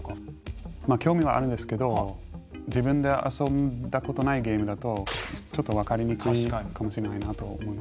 まあ興味はあるんですけど自分で遊んだことないゲームだとちょっとわかりにくいかもしれないなと思いました。